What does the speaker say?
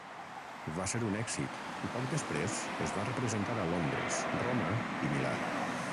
Va ser un èxit, i poc després es va representar a Londres, Roma i Milà.